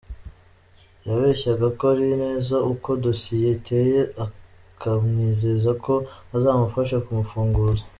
Yabeshyaga ko azi neza uko dosiye iteye akamwizeza ko azamufasha kumufunguza.